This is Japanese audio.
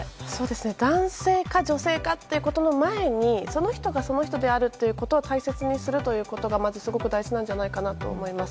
男性か女性かということの前にその人がその人であることを大切にすることがすごく大事じゃないかなと思います。